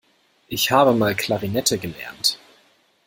Ich habe mal Klarinette gelernt.